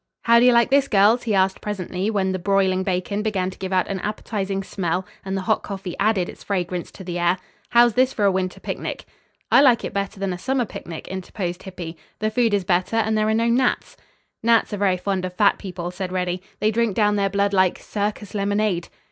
"How do you like this, girls?" he asked presently, when the broiling bacon began to give out an appetizing smell and the hot coffee added its fragrance to the air. "How's this for a winter picnic?" "I like it better than a summer picnic," interposed Hippy. "The food is better and there are no gnats." "Gnats are very fond of fat people," said Reddy. "They drink down their blood like circus lemonade."